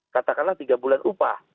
katakanlah tiga bulan upah